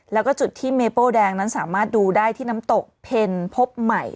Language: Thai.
แล้วก็จุดที่เมโป้แดงนั้นสามารถดูได้ที่น้ำตกเพ็ญพบใหม่